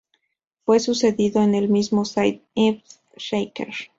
Fue sucedido por el mismo Zaid ibn-Shaker.